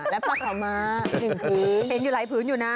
และผ้าขาวม้า๑พื้นเห็นอยู่หลายพื้นอยู่นะ